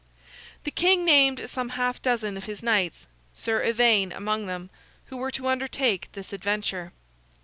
The king named some half dozen of his knights, Sir Ivaine among them, who were to undertake this adventure.